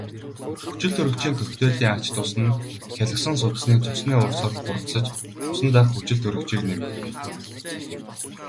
Хүчилтөрөгчийн коктейлийн ач тус нь хялгасан судасны цусны урсгал хурдсаж цусан дахь хүчилтөрөгч нэмэгдэнэ.